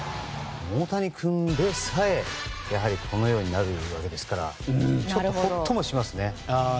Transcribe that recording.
大谷君でさえこのようになるわけですからほっともしますね。